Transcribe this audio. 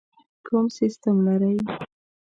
کوم سیسټم لرئ؟